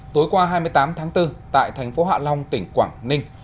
tối qua hai mươi tám tháng bốn tại thành phố hạ long tỉnh quảng ninh